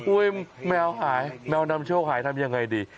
แมวหายแมวนำโชคหายทำยังไงดี